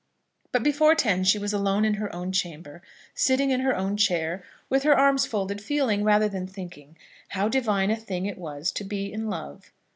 But before ten she was alone in her own chamber, sitting in her own chair, with her arms folded, feeling, rather than thinking, how divine a thing it was to be in love.